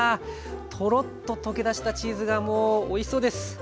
トロッと溶け出したチーズがもうおいしそうです。